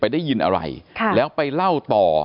ได้ยินอะไรแล้วไปเล่าต่อ